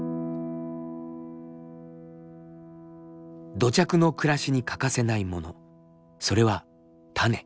土着の暮らしに欠かせないものそれは種。